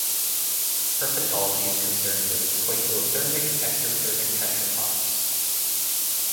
Herpetology is concerned with poikilothermic, ectothermic tetrapods.